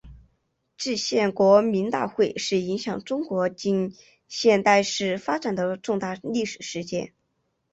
制宪国民大会是影响中国近现代史发展的重大历史事件。